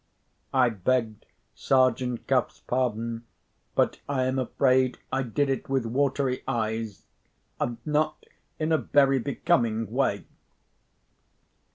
I begged Sergeant's Cuff's pardon, but I am afraid I did it with watery eyes, and not in a very becoming way.